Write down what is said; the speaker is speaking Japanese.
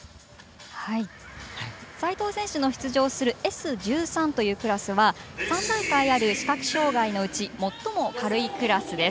齋藤選手の出場するＳ１３クラスは３段階ある視覚障がいのうち最も軽いクラスです。